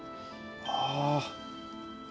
ああ。